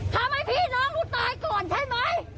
ทำให้พี่น้องหนูตายก่อนใช่ไหม